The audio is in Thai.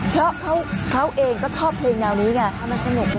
เพราะเขาเองก็ชอบเพลงแนวนี้ไง